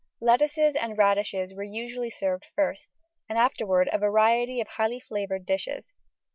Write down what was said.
Lettuces and radishes were usually served first, and afterwards a variety of highly flavoured dishes.